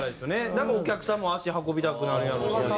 だからお客さんも足運びたくなるやろうし。